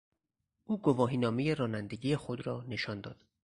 او گواهینامهی رانندگی خود را نشان داد.